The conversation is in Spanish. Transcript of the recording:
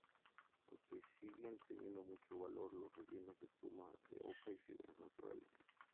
Aunque siguen teniendo mucho valor los rellenos de pluma de oca y fibras naturales.